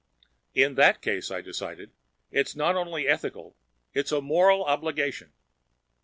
"In that case," I decided, "it's not only ethical, it's a moral obligation.